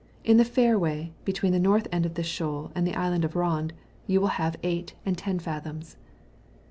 In the fairway, between the north end of this shoal and the island Rond, you will have 9 and 10 mthoms.